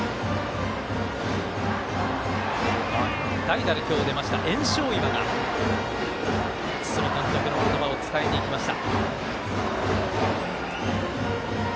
代打で今日出ました、焔硝岩が堤監督の言葉を伝えにいきました。